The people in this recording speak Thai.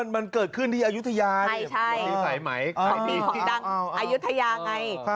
อ๋อมันเกิดขึ้นที่อายุทยาใช่หิวใช่ไหมของดังอายุทยาไง